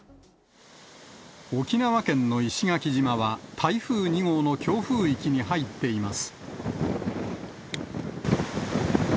沖縄県の石垣島は台風２号の強風域に入っています。